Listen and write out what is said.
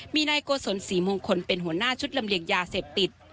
มีนายโกศลศรีมงคลเป็นหัวหน้าชุดลำเลียงยาเสพติด